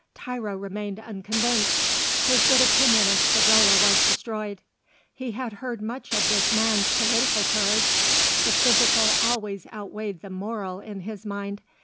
Tiro remained unconvinced. His good opinion of Savrola was destroyed. He had heard much of this man's political courage. The physical always outweighed the moral in his mind.